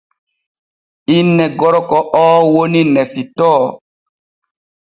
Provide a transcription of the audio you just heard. Inne gorko oo woni Nesitoo.